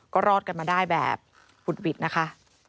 ก็รอดกันมาได้แบบบุดหวิดนะคะ